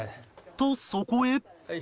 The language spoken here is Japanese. とそこへ